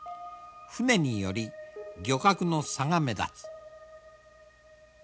船により漁獲の差が目立つ。